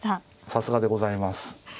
さすがでございます。